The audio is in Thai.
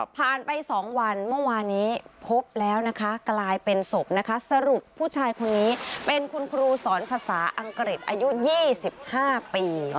ผ่านไป๒วันเมื่อวานนี้พบแล้วนะคะกลายเป็นศพนะคะสรุปผู้ชายคนนี้เป็นคุณครูสอนภาษาอังกฤษอายุ๒๕ปี